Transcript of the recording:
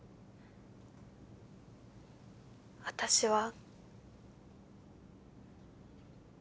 私は。